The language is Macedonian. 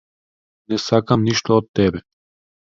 Не сакам ништо од тебе.